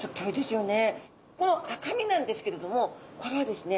この赤身なんですけれどもこれはですね